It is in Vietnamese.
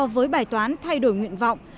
với bài toán thay đổi nguyện vọng